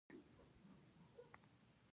دغه وېره ډېر ښه احساسوم.